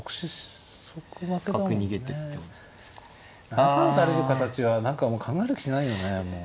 ７三打たれる形は何か考える気しないよねもう。